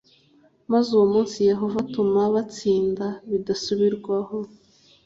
maze uwo munsi yehova atuma batsinda bidasubirwaho